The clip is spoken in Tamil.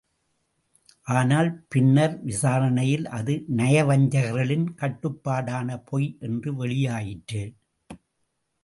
ஆனால், பின்னர் விசாரணையில் அது நயவஞ்சகர்களின் கட்டுப்பாடான பொய் என்று வெளியாயிற்று.